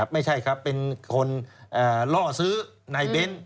ไม่ใช่ครับเป็นคนล่อซื้อนายเบ้น